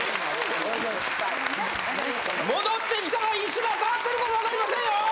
戻ってきたら椅子が変わってるかもわかりませんよ